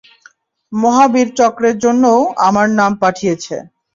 মহা বীর চক্রের জন্যও আমার নাম পাঠিয়েছে।